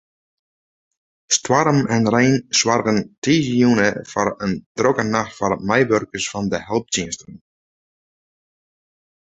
Stoarm en rein soargen tiisdeitejûn foar in drokke nacht foar meiwurkers fan de helptsjinsten.